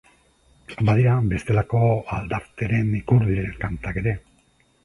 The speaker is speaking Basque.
Badira bestelako aldarteren ikur diren kantak ere.